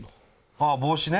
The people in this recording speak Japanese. ああ帽子ね。